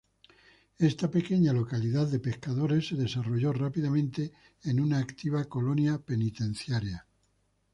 Esta pequeña localidad de pescadores se desarrolló rápidamente en una activa colonia penitenciaria.